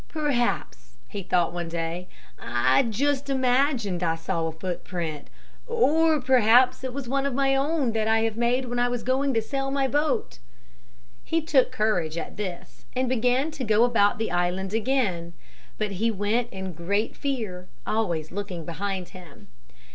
"Perhaps," he thought one day, "I just imagined I saw a footprint, or perhaps it was one of my own that I have made when going to sail my boat." He took courage at this and began to go about the island again. But he went in great fear, always looking behind him.